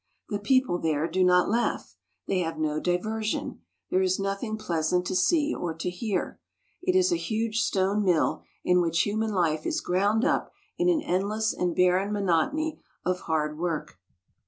The people there do not laugh. They have no diversion. There is nothing pleasant to see or to hear. It is a huge stone mill in which human life is ground up in an endless and barren monotony of hard work.